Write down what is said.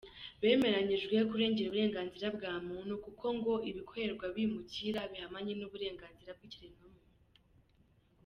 Bemeranyijwe kurengera uburenganzira bwa muntu kuko ngo ibikorerwa abimukira bihabanye n’uburenganzira bw’ikiremwamuntu.